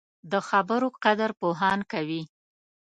د خبرو قدر پوهان کوي